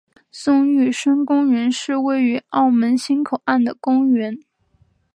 宋玉生公园是位于澳门新口岸的公园。